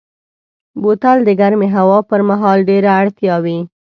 بوتل د ګرمې هوا پر مهال ډېره اړتیا وي.